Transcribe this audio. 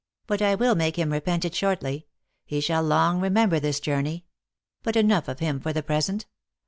" But I will make him repent it shortly. He shall long remember this journey. But enough of him for the present.